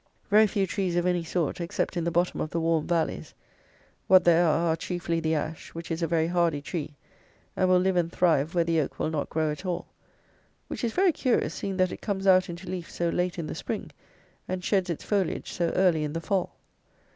Very few trees of any sort, except in the bottom of the warm valleys; what there are, are chiefly the ash, which is a very hardy tree, and will live and thrive where the oak will not grow at all, which is very curious, seeing that it comes out into leaf so late in the spring, and sheds its foliage so early in the fall.